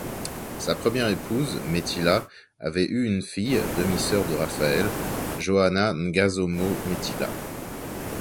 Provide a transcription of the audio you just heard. Sa première épouse, Métila, avait eu une fille, demi-sœur de Raphaël, Johanna Ngazomo Métila.